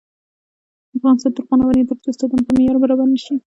افغانستان تر هغو نه ابادیږي، ترڅو استادان په معیار برابر نشي.